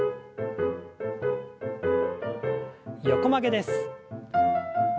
横曲げです。